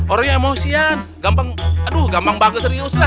orangnya emosian gampang aduh gampang bangga serius lah